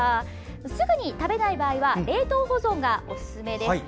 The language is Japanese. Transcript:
すぐに食べない場合は冷凍保存がおすすめです。